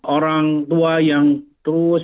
orang tua yang terus